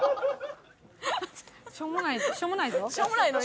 しょうもないしょうもないぞ？